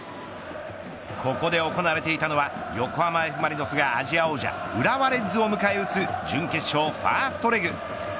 ここで行われていたのは横浜Ｆ・マリノスがアジア王者浦和レッズを迎え撃つ準決勝ファーストレグ。